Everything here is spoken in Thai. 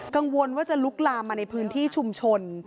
กังวลว่าจะลุกลามมาในพื้นที่ชุมชน